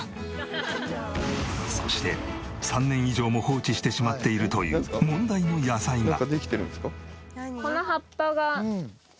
そして３年以上も放置してしまっているという問題の野菜が。